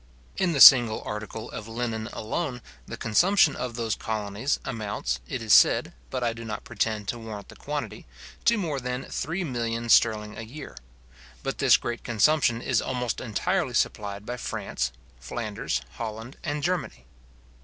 In the single article of linen alone, the consumption of those colonies amounts, it is said (but I do not pretend to warrant the quantity ), to more than three millions sterling a year. But this great consumption is almost entirely supplied by France, Flanders, Holland, and Germany.